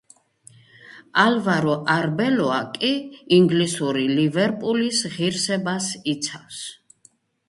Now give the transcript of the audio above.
ალვარო არბელოა კი ინგლისური ლივერპულის ღირსებას იცავს.